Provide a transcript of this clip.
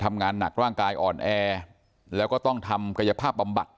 ทำงานหนักร่างกายอ่อนแอแล้วก็ต้องทำกายภาพบำบัด